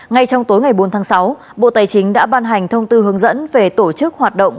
ngay trong tối ngày bốn tháng sáu bộ tài chính đã ban hành thông tư hướng dẫn về tổ chức hoạt động